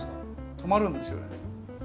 止まるんですよね。